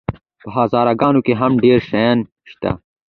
په هزاره ګانو کي هم ډير سُنيان شته